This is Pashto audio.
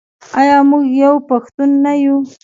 آیا موږ یو پښتون نه یو؟